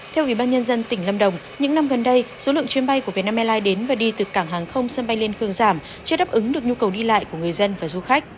theo ủy ban nhân dân tỉnh lâm đồng những năm gần đây số lượng chuyến bay của vietnam airlines đến và đi từ cảng hàng không sân bay liên khương giảm chưa đáp ứng được nhu cầu đi lại của người dân và du khách